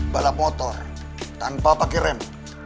balap motor tanpa pakai rem